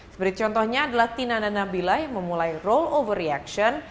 seperti contohnya adalah tina nandamila memulai rollover reaction